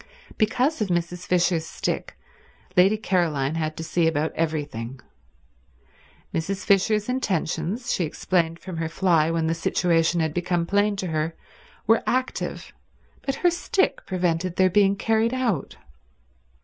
Because of Mrs. Fisher's stick Lady Caroline had to see about everything. Mrs. Fisher's intentions, she explained from her fly when the situation had become plain to her, were active, but her stick prevented their being carried out.